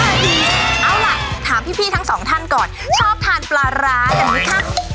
เอาละถามพี่ทั้ง๒ท่านก่อนชอบทานปลาระอย่างนี้ค่ะ